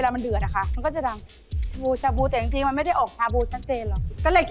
มันจะดังชาบูจะแปลก